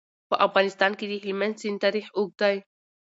په افغانستان کې د هلمند سیند تاریخ اوږد دی.